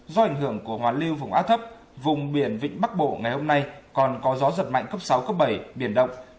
do ảnh hưởng của hoàn lưu vùng áp thấp vùng biển vịnh bắc bộ ngày hôm nay còn có gió giật mạnh cấp sáu cấp bảy biển động